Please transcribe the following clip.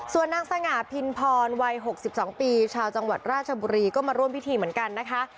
ส่วนนางสง่าพินพรวัย๖๒ปีชาวจังหวัดราชบุรีก็มาร่วมพิธีเหมือนกันนะคะ